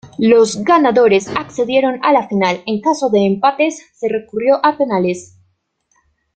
Los ganadores accedieron a la Final, en caso de empates se recurrió a penales.